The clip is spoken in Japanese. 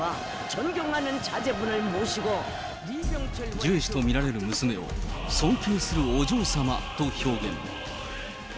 ジュエ氏と見られる娘を尊敬するお嬢様と表現。